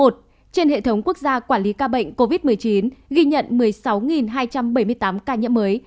trên hệ thống quốc gia quản lý ca bệnh covid một mươi chín ghi nhận một mươi sáu hai trăm bảy mươi tám ca nhiễm mới